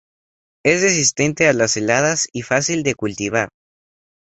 Es resistente a las heladas y fácil de cultivar.